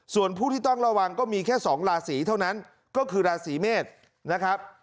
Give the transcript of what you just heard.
ส่วนผู้ที่ต้องระวังก็มีแค่๒ราศีเท่านั้นก็คือราศีเมษนะครับ